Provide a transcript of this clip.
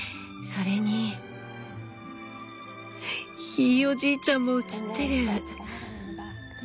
それにひいおじいちゃんも写ってる。